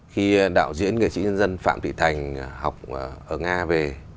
khi đạo diễn nghệ sĩ nhân dân phạm thị thành học ở nga về